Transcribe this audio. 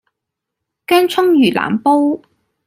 薑蔥魚腩煲